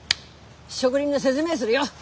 植林の説明するよ。